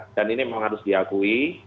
dan ini memang harus diakui